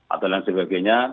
atau lain sebagainya